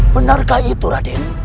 benarkah itu raden